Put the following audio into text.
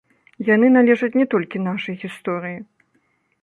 Яны належаць не толькі нашай гісторыі.